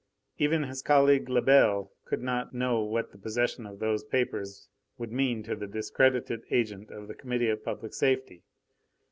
Even his colleague Lebel could not know what the possession of those papers would mean to the discredited agent of the Committee of Public Safety.